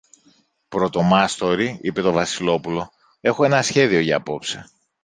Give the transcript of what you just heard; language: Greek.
Πρωτομάστορη, είπε το Βασιλόπουλο, έχω ένα σχέδιο για απόψε.